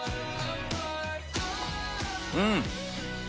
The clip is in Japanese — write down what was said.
うん！